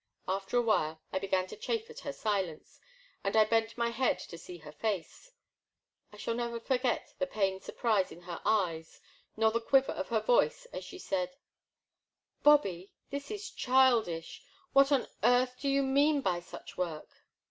After a while I began to chafe at her silence, and I bent my head to see her face. I shall never forget the pained surprise in her eyes nor the quiver of her voice as she said :Bobby, this is childish, what on earth do you mean by such work